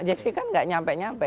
jadi kan tidak sampai sampai